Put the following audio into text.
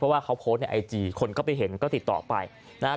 เพราะว่าเขาโพสต์ในไอจีคนก็ไปเห็นก็ติดต่อไปนะครับ